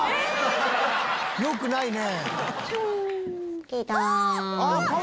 よくないね。来た。